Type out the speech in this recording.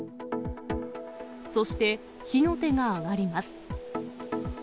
そして火の手が上がります。